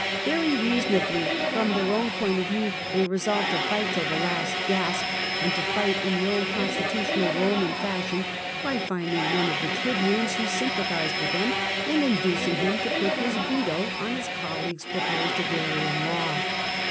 Very reasonably, from their own point of view, they resolved to fight till the last gasp, and to fight in the old constitu tional Eoman fashion, by finding one of the tribunes who sympathised with them, and inducing him to put his veto on his colleague's proposed Agrarian Law.